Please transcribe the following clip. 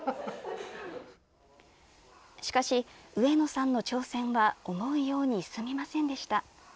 しかし、上野さんの挑戦は思うように進みませんでした。